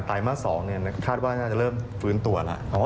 แต่ไตม่๒ก็คาดว่าจะเริ่มฟื้นตัวแล้ว